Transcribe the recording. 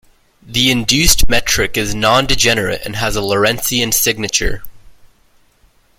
The induced metric is nondegenerate and has Lorentzian signature.